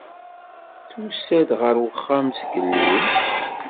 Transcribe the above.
Tusa-d ɣer wexxam zgelli?